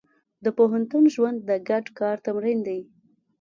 د پوهنتون ژوند د ګډ کار تمرین دی.